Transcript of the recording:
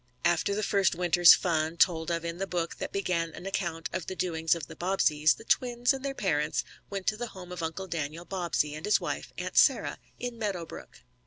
After the first winter's fun, told of in the book that began an account of the doings of the Bobbseys, the twins and their parents went to the home of Uncle Daniel Bobbsey, and his wife, Aunt Sarah, in Meadow Brook.